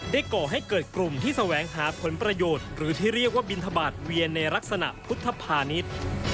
ก่อให้เกิดกลุ่มที่แสวงหาผลประโยชน์หรือที่เรียกว่าบินทบาทเวียนในลักษณะพุทธภานิษฐ์